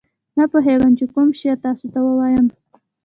نه پوهېږم چې کوم شعر تاسو ته ووایم.